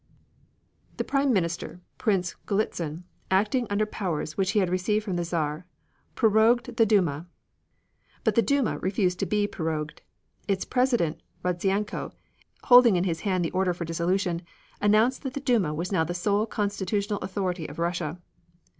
The Prime Minister, Prince Golitzin, acting under powers which he had received from the Czar, prorogued the Duma. But the Duma refused to be prorogued. Its President, Rodzianko, holding in his hand the order for dissolution, announced that the Duma was now the sole constitutional authority of Russia.